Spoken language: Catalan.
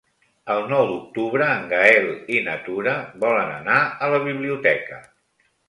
El nou d'octubre en Gaël i na Tura volen anar a la biblioteca.